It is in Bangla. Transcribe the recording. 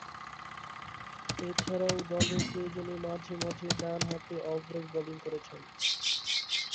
এছাড়াও, দলের প্রয়োজনে মাঝেমাঝে ডানহাতে অফ ব্রেক বোলিং করেছেন।